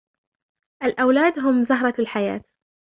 الأولاد هم زَهرةُ الحياة.